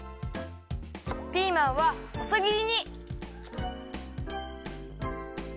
ピーマンはほそぎりに。